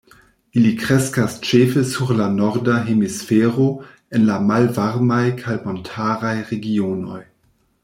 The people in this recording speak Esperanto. Ili kreskas ĉefe sur la norda hemisfero, en la malvarmaj kaj montaraj regionoj.